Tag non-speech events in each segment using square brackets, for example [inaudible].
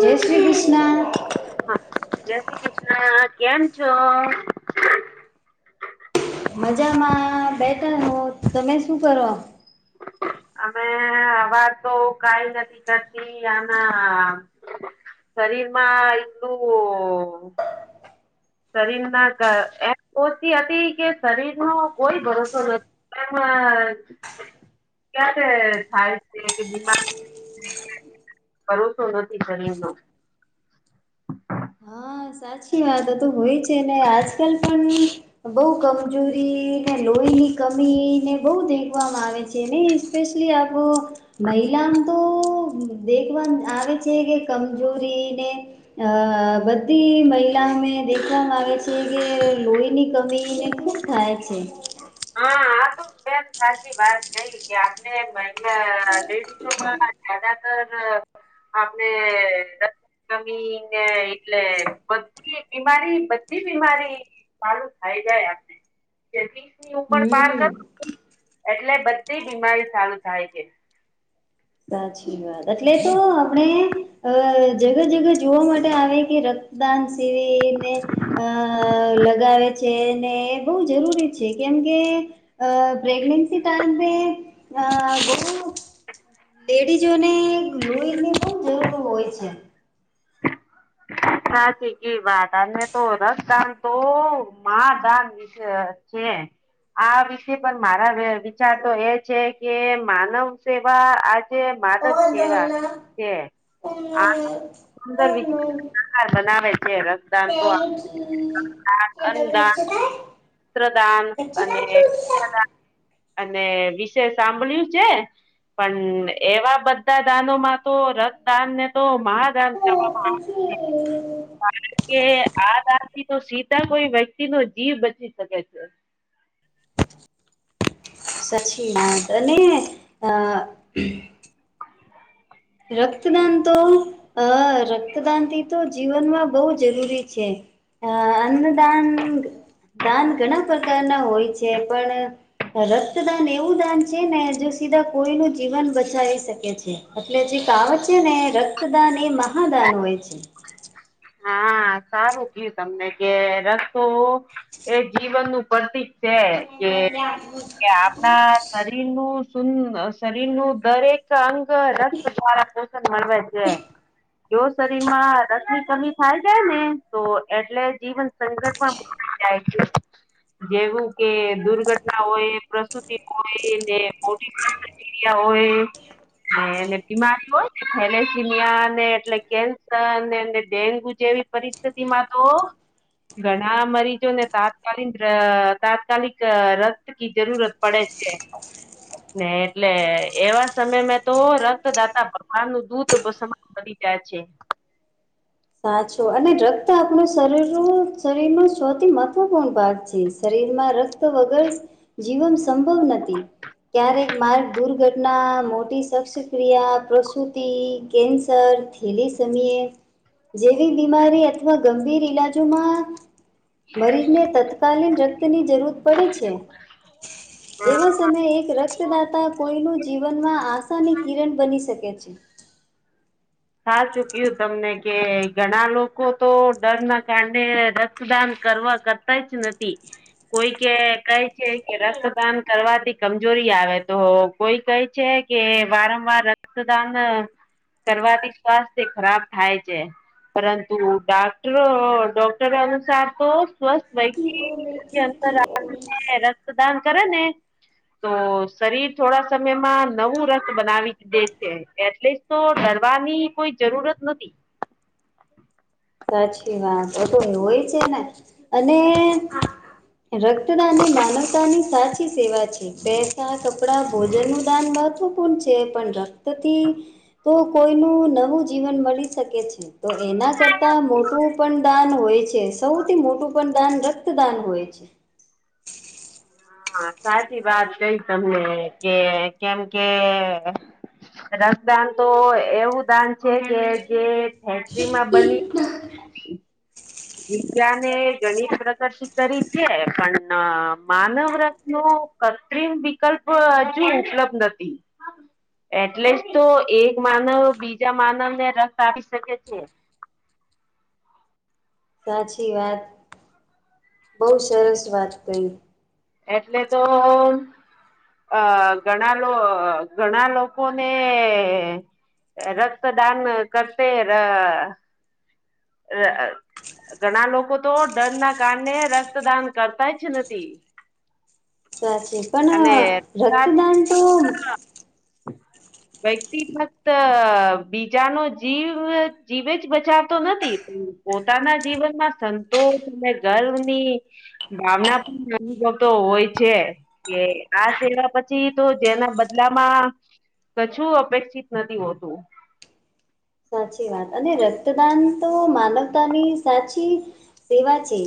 જય શ્રી કૃષ્ણ હા જય શ્રી કૃષ્ણ કેમ છો? મજામાં બેટનો તમે શું કરો અમે અવાજ તો કઈ નથી કરતી આના શરીરમાં એટલું શરીર ના ક [unintelligible] ઓછી હતી કે શરીર નો કોઈ ભરોસો નથી એમાં ક્યારે થાય છે કે બિમાર [unintelligible] ભરોસો નથી શરીરનું હા સાચી વાત તો હોય છે ને આજકાલ પણ બઉ કમજોરી કાઈ લોહીની કમીને બહૂ દેખવામાં આવે છે ને સ્પેશલી આપનો મહિલાનું તો દેખવાન આવે છે કે કમજોરીને અહ બ તી મહિલા અમે દેખવામાં આવે છે કે લોહીની કમી ને ખુબ થાય છે હા સાચી વાત કઈ કે આપણેલા [unintelligible] લેડીસોમાં જાડા [unintelligible] આપને ટમીને એટલે બધી બીમારી બધી બીમારી ચાલુ થાય જાય આપણે જે વીસ ની ઉંમર પાર હમ કર એટલે બધી બીમારી ચાલુ થાય છે સાચી વાત એટલે તો આપણે અહ જગ જગ્યા જોવા માટે આવે કે ર દાન શિબિર ને અહ લગાવે છે ને બવું જરૂરી છે કેમકે અહ પ્રેગસી ટાઈમે અહ બઉ લેડીઝોને લુંહીની બહ જરૂર હોય છે સાચી કી વાત અને તો રસદાન તો દાન મા દાન [unintelligible] ચ છે આ વિષય પર મારા વિચાર તો એ છે કે માનવ સેવા આ જે માધવ જેવા છે આ સુંદર વિચા સરકાર બનાવે છે રક્દાન તો [unintelligible] અન્ન દાન [unintelligible] દાન અને કન્યાદાન અને વિષય સાંભળ્યું છે પણ એવા બ બદ્દા દાનોમાં તો રક્તદાન ને તો મહાદાન કહેવામાં આવે છે કારણ કે આ રાત થી તો સીધા કોઈ વ્યક્તિ નો જીવ બચી શકે છે સચી વાત અને અહ રક્તદાન તો અ રક્તદાન થી તો જીવનમાં બહુ જરૂરી છે અ અન્નદાન દાન ઘણા પ્રકારના હોય છે પણ રક્તદાન એવું દાન છે ને જો સીધા કોઈ નું જીવન બચાવી શકે છે. એટલે જે કહાવત છે ને રક્તદાન એ મહાદાન હોય છે. હા સારું કયું તમને કે રસ્તો એ જીવનનું પતી છે કે કે આપણા શરીરનું સુંર શરીરનું દરેક અંગ ક રક્ત દ્વારા પોષણ મળવે છે જો શરીરમાં રક્ત કમી થાય છે ને તો એટલે જીવન સંઘર્ષમાં જાય બની જાય છે. જેવું કે દુર્ઘટના હોય પ્રસુતિ હોય ને મોટી [unintelligible] ક્રીયા હોય અને એને બીમારી હોયને થેલેસીમિયા ને એટલે કેન્સર ને એને ડેન્ગુ જેવી પરિસ્થિતિમાં તો ઘણા મરીજોને તાત્કાલીન અ તાત્કાલિક રસ ની જરૂરત પડે છે. ને એટલે એવા સમય મેં તો રક્તદાતા ભગવાનનું દૂત સમાન બની જાય છેક સાચું અને રક્ત આપણું શરીરનું શરીરનું સૌથી મહત્વપૂર્ણ ભાગ છે શરીરમાં રક્ત રક્ત વગર જીવન સંભવ નથી. ક્યારેક માર્ગ દુર્ઘટના મોટી શસ્ત્રક્રિયા પ્રસુતિ કેન્સર ખીલી સમયે જેવી બીમારી અથવા ગંભીર ઈલાજોમાં મરીજને તત તતત્કાલીન રક્તની જરૂર પડે છે [inaudible] એવા સમયે એક રક્તદાતા કોઈનું જીવનમાં આશાની કિરણ બની શકે છે. થા ચૂકય્યું તમને કે ઘણા લોકો તો ડરના કારણે રક્તદાન કરવા કર તા જ નથી કોઈ કે કહે છે કે રક્તદાન કરવાથી કમજોરી આવે તો કોઈ કહે છે કે વારંવાર રક્તદાન કરવાથી સ્વાસ્થ્ય ખરાબ થાય છે. પરંતુ ડોક્ટરો ડોક્ટર અનુસાર તો સ્વસ્થ થઈ યોગ્ય અંતર રાખીને રક્તદાન કરે ને તો શરીર થોડા સમયમાં નવું રથ બનાવી દે છે એટલે તો ડરવાની કોઈ જરૂરત નથી. સાચી વાત હોય છે ને અને રક્તદાન એ માનવતાની સાચી સેવા છે પેસા કપડા ભોજનનું દાન મહત્વપૂર્ણ છે પણ રક્તથી તો કોઈનું નવું જીવન મળી શકે છે તો એના કર તા મોટું પણ દાન હોય છે સૌથી મોટું પણ દાન રક્તદાન હોય છે. હા સાચી વાત કઈ તમે કે કેમ કે રક્દાન તો એવું દાન છે કે જે ફેક્ટરીમાં બની વિજ્ઞાએ ગણિત પ્રગતિ કરી છે પણ માનવ રત્નું કત્રિમ વિકલ્પ હજી ઉપલબ્ધ હતી એટલે જ તો એક માનવ બીજા માનવ ને રક્ત આપી શકે છે. સાચી વાત બહુ સરસ વાત કહી એટલે તો અ ઘણા લો ઘણા લોકોને રક્તદાન કરતે ર અ ઘણા લોકો તો ડરના કારણે રક્તદાન કરતાઈ જ નથી. સાચી પણ અને રક્તદાન તો [inaudible] વ્યક્તિ ફક્ત બીજાનો જીવ જીવે જ બચાવતો નથી કે પોતાના જીવનમાં સંતોષ અને ગર્વની ભાવના પણ અનુભવ તો હોય છે. કે આ સેવા પછી તો જેના બદલામાં કછું અપેક્ષિત નથી હોતું. સાચી વાત અને રક્તદાન તો માનવતાની સાચી સેવા છે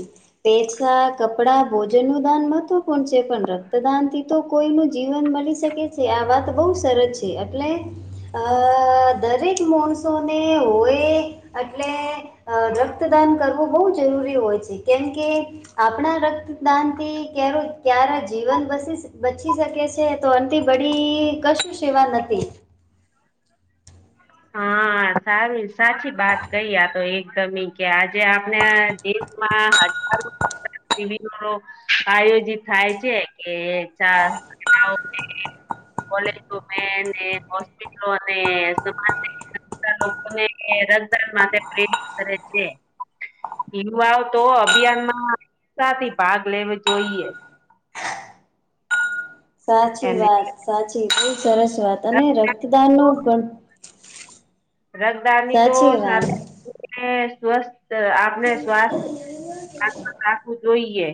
પેસા કપડા ભોજન નું દાન મહત્વપૂર્ણ છે પણ રક્તદાન થી તો કોઈ નુજીવન મળી શકે છે આ વાત બહુ સરસ છે એટલે અ દરેક, માણસોને હોય એટલે- અ રક્તદાન કરવું બો જરૂરી હોય છે કેમ કે આપણા રક્તદાન થી કે ક્યારે જીવન બસી સ બચી શકે છે તો અનથી બડી કશું સેવા નથી. હા સારુઈ સાચી બાત કઈ આ તો એકદમ ઈ. કે આજે આપણે દેશમાં હજારો શિબિનોરો, આયોજિત થાય છે કે ચા- [inaudible] [inaudible] કોલેજો ને હોસ્પિટલો અને માનસિક [inaudible] લોકો ને રજદણ માટે પ્રેરિત કરે છે યુવાઓ તો અભિયાન માં સાથી ભાગ લેવ જોઈએ. સાચી અને વાત, સાચી ખુબ સરસ વાત, અને રક્તદાન- રક્દાનની તો, સાચી વાત સાથે સ્વસ્થ આપને સ્વાસ્થ- [unintelligible] રાખવું જોઈએ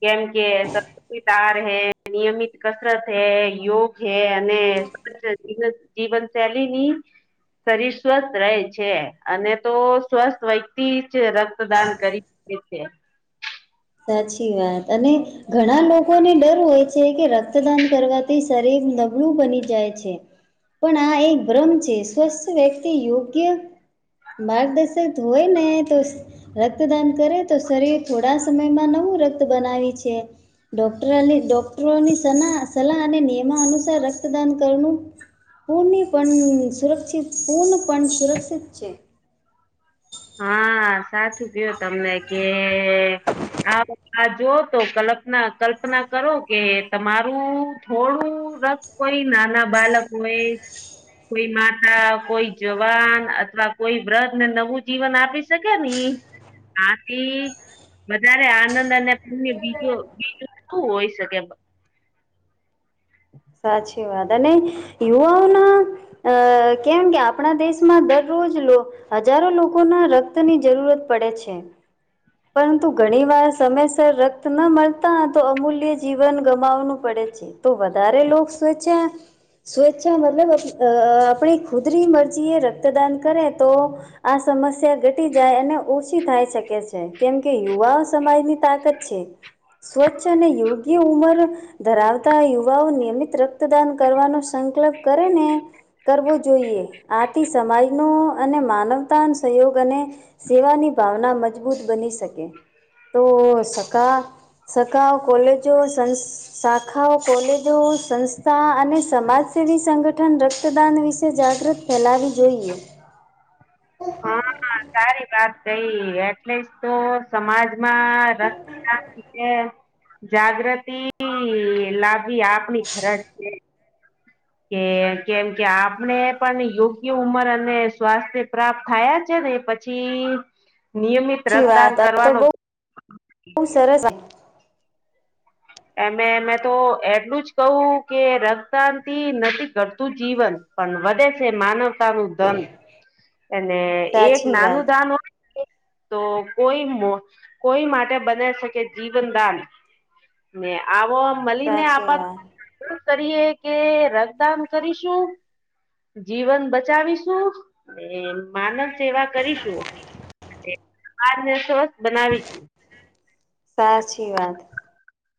કેમ કે [unintelligible] આર હૈ, નિયમિત કસરત હૈ, યોગ હૈ, અને સ્વ્ જ [unintelligible] જીવન શૈલીની- શરીર સ્વસ્થ રહે છે અને તો સ્વસ્થ વ્યક્તિ જ રક્તદાન કરી [inaudible] [inaudible] એ છે સાચી વાત, અને- ઘણા લોકોને ડર હોય છે કે રક્તદાન કરવાથી શરીર નબળું બની જાય છે. પણ આ એક ભ્રમ છે, સ્વસ્થ વ્યક્તિ યોગ્ય- માર્ગદર્શક ત હોય ને તો સ રક્તદાન કરે તો શરીર થોળા સમયમાં નવું રક્ત બનાવી છે ડોક્ટરની ડોક્ટરોની સલા સલાહ અને નિયમો અનુસાર રક્તદાન કરનું, પૂર્ણપણ સુરક્ષિત પૂર્ણપણ સુરક્ષિત છે. હા સાચું કીધું તમને કે આ આ જો તો કલપના કલ્પના કરો કે તમારું થોડું રક્ત કોઈ નાના બાળકો હો એ- કોઈ માતા, કોઈ જવાન અથવા કોઈ વ્રતને નવું જીવન આપી શકે ની આથી વધારે આનંદ અને પુણ્ય બીજું બીજું શું હોય શકે સાચી વાત અને યુવાઓના અ કેમ કે આપણા દેશમાં દરરોજ લો હજારો લોકોના રક્તની જરૂરત પડે છે. પરંતુ ઘણી વાર સમયસર રક્ત ન મળતા તો અમૂલ્ય જીવન ગમાવવાનું પડે છે. તો વધારે લોક સ્વેચ્છા સ્વેચ્છા મતલબ અ આપણી ખુદરી મરજીએ રક્તદાન કરે તો આ સમસ્યા ઘટી જાય અને ઓછી થાય શકે છે. કેમ કે યુવા સમાયની તાકત છે સ્વચ્છ અને યોગ્ય ઉંમર ધરાવતા યુવાઓ નિયમિત રક્તદાન કરવાનો સંકલપ કરેને કરવો જોઈએ આથી સમાયનુ અને માનવતાન સહયોગ અને સેવાની ભાવના મજબૂત બની શકે તો સકા સકાવ કોલેજો સંસ્ક શાખાઓ કોલેજો સંસ્થા અને સમાજસેવી સંગઠન રક્તદાન વિશે જાગૃત ફેલાવી જોઈએ. હાં સારી વાત કઈ એટલે જ તો સમાજમાં રક્તદાન વિશે જાગ્રતિ લાવવી આપણી ફરજ છે. કે કેમ કે આપણે પણ યોગ્ય ઉંમર અને સ્વાસ્થ્ય પ્રાપ્ત થાયા છે ને પ છી નિયમિત સાચી રક્તદાન વાત આ તો કરવાનો છે. [unintelligible] એમે મેં તો એટલું જ કહું કે રક્તદાનથી નથી ઘટતુ જીવન પન વધે છે માનવતાનું ધન. અને એક સાચી વાત નાનું દાન હો [unintelligible] તો કોઈ મો કોઈ માટે બનાવ શકે જીવનદાન. ને આવો મલી ને આપ સાચી વાત કરીએ કે રક્તદાન કરીશું જીવન બચાવીશું. ને માનવ સેવા કરીશું [unintelligible] સમાજને સ્વસ્થ બનાવીશું. સાચી વાત.